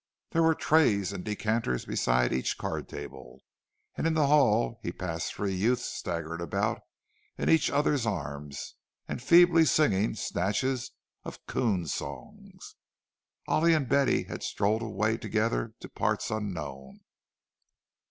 There were trays and decanters beside each card table; and in the hall he passed three youths staggering about in each other's arms and feebly singing snatches of "coon songs." Ollie and Betty had strolled away together to parts unknown.